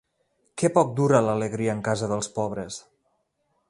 Que poc dura l'alegria en casa dels pobres!